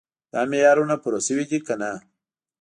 دا معیارونه پوره شوي دي که نه.